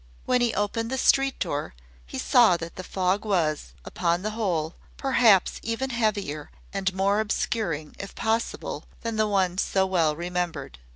When he opened the street door he saw that the fog was, upon the whole, perhaps even heavier and more obscuring, if possible, than the one so well remembered.